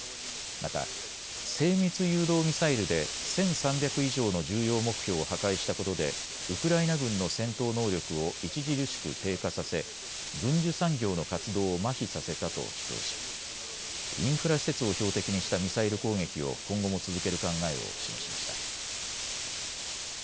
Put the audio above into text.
また精密誘導ミサイルで１３００以上の重要目標を破壊したことでウクライナ軍の戦闘能力を著しく低下させ軍需産業の活動をまひさせたと主張しインフラ施設を標的にしたミサイル攻撃を今後も続ける考えを示しました。